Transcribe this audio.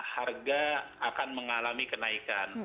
harga akan mengalami kenaikan